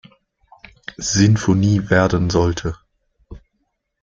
Sinfonie werden sollte.